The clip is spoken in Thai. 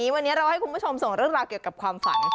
วันนี้เราให้คุณผู้ชมส่งเรื่องราวเกี่ยวกับความฝัน